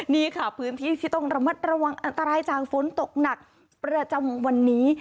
นี่ค่ะพื้นที่ที่ต้องระมัดระวังอันตรายจากฝนตกหนักประจำวันนี้